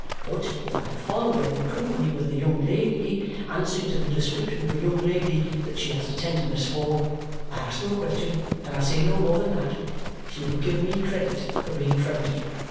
But if I follow her in company with a young lady, answering to the description of a young lady that she has a tenderness for I ask no question, and I say no more than that she will give me credit for being friendly.